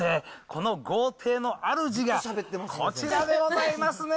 この豪邸のあるじがこちらでございますね。